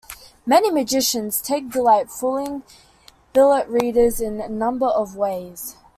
Many magicians take delight fooling billet readers in any number of ways.